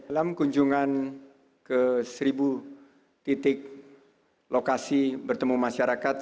dalam kunjungan ke seribu titik lokasi bertemu masyarakat